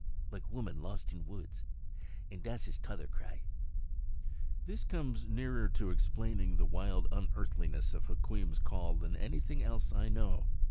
like woman lost in woods. An' dass his tother cry." [Illustration: Hukweem] This comes nearer to explaining the wild unearthliness of Hukweem's call than anything else I know.